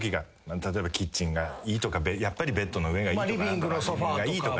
例えばキッチンがいいとかやっぱりベッドの上がいいとか。